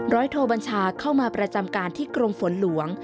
โทบัญชาเข้ามาประจำการที่กรมฝนหลวง